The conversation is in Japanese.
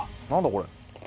これ。